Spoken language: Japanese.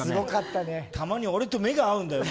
たまに俺と目が合うんだよ。